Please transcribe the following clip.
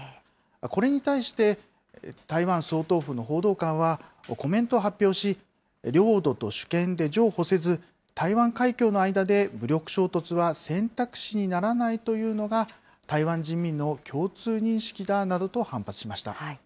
これに対して、台湾総統府の報道官は、コメントを発表し、領土と主権で譲歩せず、台湾海峡の間で武力衝突は選択肢にならないというのが台湾人民の共通認識だなどと反発しました。